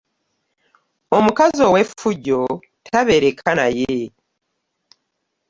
Omukazi owefujjo tabereka naye.